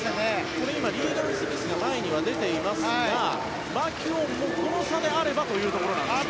これ、今リーガン・スミスが前には出ていますがマキュオンもこの差であればというところなんですね。